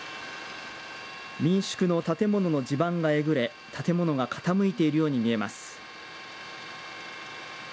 民宿の建物の地盤がえぐれ建物が傾いているように見えます。